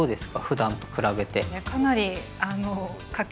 ふだんと比べて。